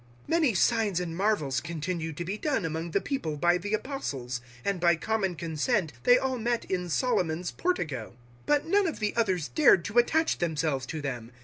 005:012 Many signs and marvels continued to be done among the people by the Apostles; and by common consent they all met in Solomon's Portico. 005:013 But none of the others dared to attach themselves to them.